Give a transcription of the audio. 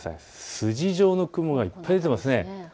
筋状の雲がいっぱい出ていますね。